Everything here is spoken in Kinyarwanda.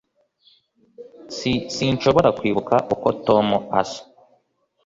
S Sinshobora kwibuka uko Tom asa